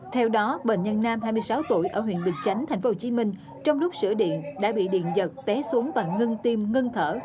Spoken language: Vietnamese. theo đó bệnh nhân nam hai mươi sáu tuổi ở huyện bình chánh tp hcm trong lúc sửa điện đã bị điện giật té xuống và ngưng tim ngưng thở